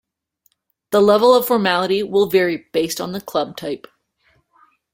The level of formality will vary based on the club type.